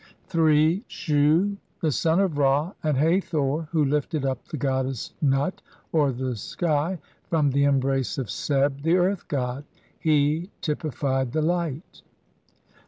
3. Shu, the son of Ra and Ilathor, who lifted up the goddess Nut, or the sky, from the embrace of Seb the earth god ; he typified the light.